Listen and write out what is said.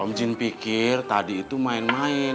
om jin pikir tadi itu main main